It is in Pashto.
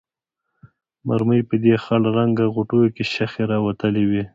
مرمۍ په دې خړ رنګه غوټکیو کې شخې راوتلې وې.